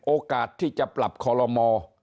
โอกาสที่จะปรับคอลโลมอ